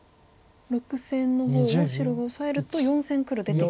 ６線の方を白がオサえると４線黒出てきて。